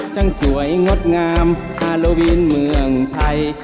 สวยงดงามฮาโลวีนเมืองไทย